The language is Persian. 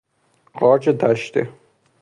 قارچ دشته